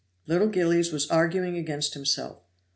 Little Gillies was arguing against himself.